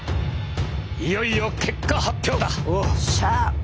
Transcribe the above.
いよいよ結果発表だ！